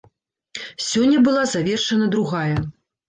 Сёння была завершана другая.